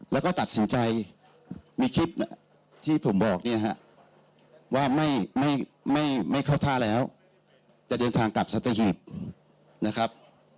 แล้วก็ตัดสินใจมีคลิปที่ผมบอกเนี่ยฮะว่าไม่เข้าท่าแล้วจะเดินทางกลับสัตหีบนะครับ